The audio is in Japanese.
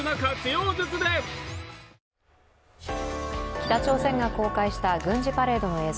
北朝鮮が公開した軍事パレードの映像。